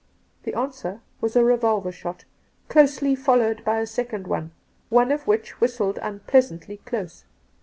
The answer was a revolver shot, closely followed by a second one, one of which whistled unpleasantly close.